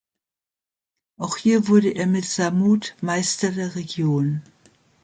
Auch hier wurde er mit "Samut" Meister der Region.